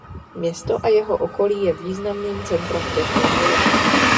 Město a jeho okolí je významným centrem těžby žuly.